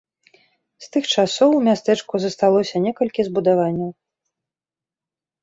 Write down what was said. З тых часоў у мястэчку засталося некалькі збудаванняў.